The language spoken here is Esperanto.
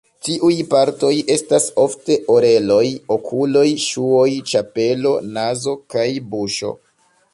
Tiuj partoj estas ofte oreloj, okuloj, ŝuoj, ĉapelo, nazo kaj buŝo.